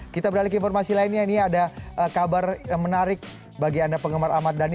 kita beralih ke informasi lainnya ini ada kabar menarik bagi anda penggemar ahmad dhani